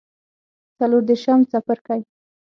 څلور دیرشم څپرکی